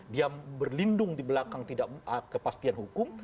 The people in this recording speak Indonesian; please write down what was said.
dia berlindung di belakang tidak kepastian hukum